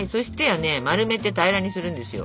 丸めて平らにするんですよ。